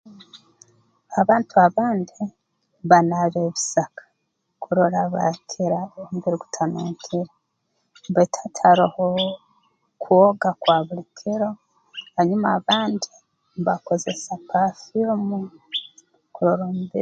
Abantu abandi banaaba ebisaka kurora baakira omubiri gutanunkire baitu hati haroho kwoga kwa buli kiro hanyuma abandi mbakozesa pafyumu kurora omubiri